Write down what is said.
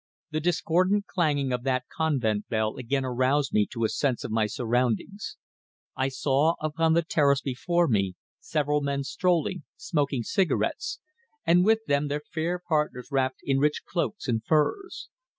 The discordant clanging of that convent bell again aroused me to a sense of my surroundings. I saw upon the terrace before me several men strolling, smoking cigarettes, and with them their fair partners wrapped in rich cloaks and furs.